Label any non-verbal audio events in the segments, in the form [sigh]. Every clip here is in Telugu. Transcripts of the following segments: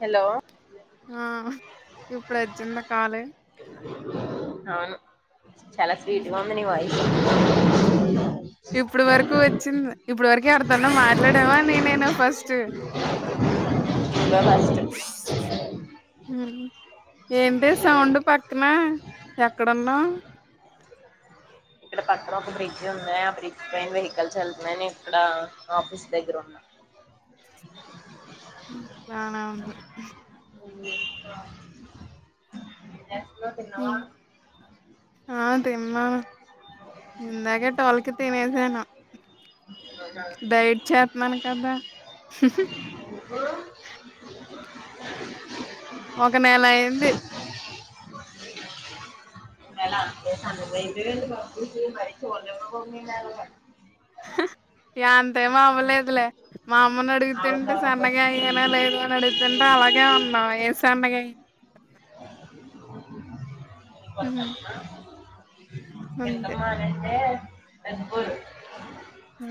హలో ఆ ఇప్పుడు వచ్చిందా కాల్ అవును చాలా హ్మ్. స్వీట్గా ఉంది. నీ వాయి ఇప్పుడు వరకు వచ్చింది ఇప్పుడు వరకే ఎవరితోనో మాట్లాడావా నేనేనా ఫస్ట్ నువ్వే ఫస్ట్ ఏంటే సౌండ్ పక్కన ఎక్కడున్నా ఇక్కడ పక్కన ఒక బ్రిడ్జ్ ఉంది. ఆ బ్రిడ్జ్ పైన వెహికల్స్ వెళ్తున్నాయి. నేను ఇక్కడ ఆఫీస్ దగ్గర ఉన్నా. బానే ఉంది ఏం చేస్తున్నావు తిన్నవా హ్మ్. ఆ తిన్నాను ఇందాకే టోల్కి తినేసాను. డైట్ చేతన్నాన్ కదా ఒక నెల అయింది ఒక వేళ అంత కన్నా సన్నగా అయిపోయావా ఏంటి కొంపతీసి మరి చూడలేవే బాబా నిన్ను అలగా హు ఇయ్ అంతే మావలేదులే మా అమ్మని అడుగుతుంటే ఆవుకావు సన్నగా అయ్యానా లేదా అని అడుగుతుంటే అవ్వ అలాగే ఉన్నావు ఏ సనగా అయ్య అయ్యావ్ అంతే ఎంతమ్మానంటే నాదిభూర్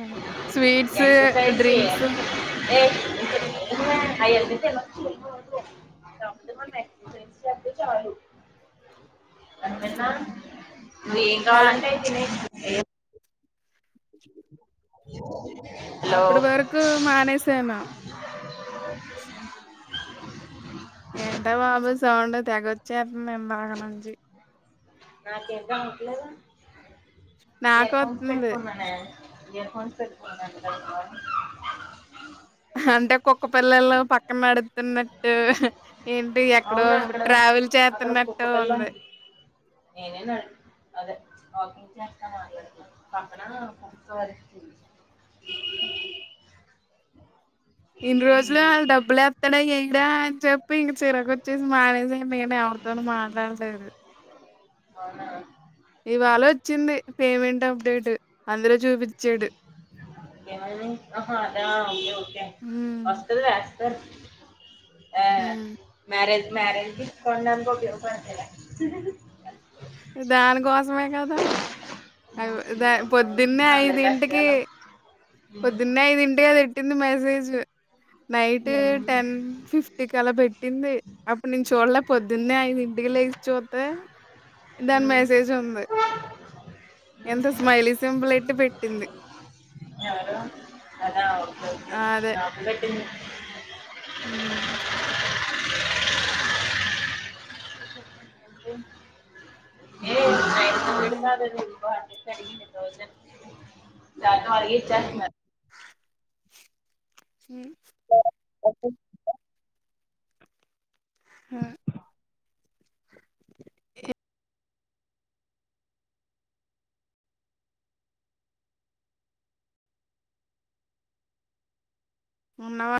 అదే. స్వీట్స్ ఎక్సర్సైజ్ డ్రింక్స్ చేయాలా హ్మ్. ఏ [unintelligible] ఐ అయిపోతే [unintelligible] ఫెస్ పడితే చాలు అన్ననా నువ్ ఏం కా కావాలంటే అది తినేయ్ ఏం హలో అప్పుడు వరకు మానేసను అ ఏంట బాబు సౌండ్ తెగొచ్చేతుంది ఇందాక నుంచి నాకు ఎక్కం ఉంట్లేదు ఇయర్ ఫోన్స్ నాకొత్తుంది. పెట్టుకున్ననే ఇయర్ ఫోన్స్ పెట్టుకున్నదంట కదా అంటే కుక్క పిల్లలు పక్కన నడుతున్నట్టు ఏంటి ఎక్కడో ట్రాక్ ట్రావెల్ చేతూన్నట్టు కుక్కల నేనేనాడు అదే వాకింగ్ చేస్తే మాట్లాడుతాను పక్కన కుక్క వరుస్తుంది [inaudible] ఇన్ని రోజులు వాళ్ళు డబ్బులు ఎత్తడా ఏయడా అని చెప్పి ఇంక చిరకు వచ్చేసి మానేశా నేనే ఉత్తను మాట్లాడట్లేదు అవునా రా ఇవాళ వచ్చింది పేమెంట్ అప్డేట్ అందరూ ఎవరిది ఆహా అద ఓకే ఓకే హ్మ్. వస్తది కదా అది ఆ హ్మ్. మ్యరేజ్ మ్యారేజ్ తీసుకో అన్నాకో ఇవ్వట్లేదా మే కదా అవే ద పొద్దున్నే అందరి ఐదింటికి కష్టాలు ఉమ్, పొద్దున్నే ఐదింటి అది పెట్టింది మెసేజ్ నైట్ ఏముంది టెన్ ఫిఫ్టీకి అలా పెట్టింది అప్పుడు నేను చూడలే పొద్దున్నే ఐదింటికి లేచి చూతే దాని ఉమ్, మెసేజ్ ఉంది ఉమ్. ఎంత స్మైలి సింపుల్ ఎట్టి పెట్టింది ఎవరు ఆదా ఓకే ఓకే ఆ నాక్కూడా ఎట్టింది అహం ఏ ఇంకేం [unintelligible] స [unintelligible] ఆ ఉన్నవా